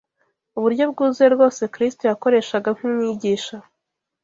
Uburyo bwuzuye rwose Kristo yakoreshaga nk’Umwigisha